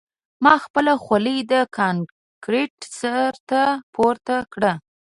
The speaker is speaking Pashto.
ما خپله خولۍ د کانکریټ سر ته پورته کړه